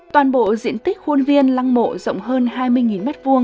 toàn bộ diện tích khuôn viên lăng mộ rộng hơn hai mươi m hai